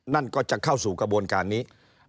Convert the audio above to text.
นั่นก็จะเข้าสู่กระบวนการนี้